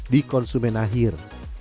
di konsumen akhir